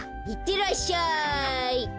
いってらっしゃい！